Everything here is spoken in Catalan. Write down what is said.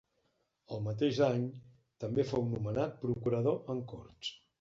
El mateix any també fou nomenat procurador en Corts.